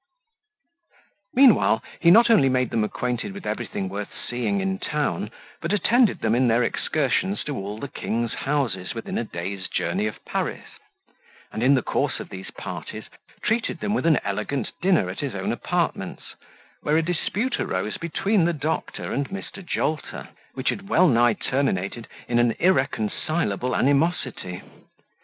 Meanwhile, he not only made them acquainted with everything worth seeing in town but attended them in their excursions to all the king's houses within a day's journey of Paris; and in the course of these parties, treated them with an elegant dinner at his own apartments, where a dispute arose between the doctor and Mr. Jolter, which had well nigh terminated in an irreconcilable animosity.